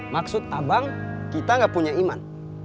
maksud abang kita gak punya iman